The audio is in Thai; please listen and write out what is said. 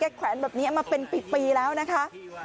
แขวนแบบนี้มาเป็นปีแล้วนะคะ